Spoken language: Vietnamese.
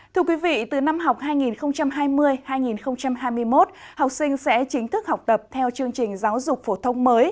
thưa quý vị từ năm học hai nghìn hai mươi hai nghìn hai mươi một học sinh sẽ chính thức học tập theo chương trình giáo dục phổ thông mới